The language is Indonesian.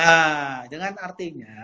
nah dengan artinya